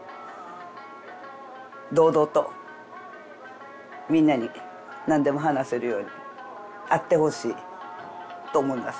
堂々とみんなに何でも話せるようにあってほしいと思います。